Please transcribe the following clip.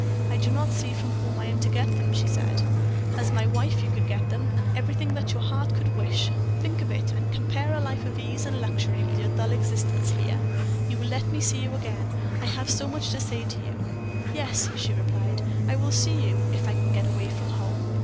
"I do not see from whom I am to get them," she said. "As my wife you could get them, and everything that your heart could wish. Think of it, and compare a life of ease and luxury with your dull existence here. You will let me see you again? I have so much to say to you." "Yes," she replied; "I will see you, if I can get away from home."